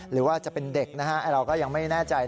หรือว่าจะเป็นเด็กนะฮะเราก็ยังไม่แน่ใจ